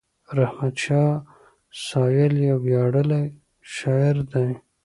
رحمت شاه سایل یو ویاړلی شاعر دی.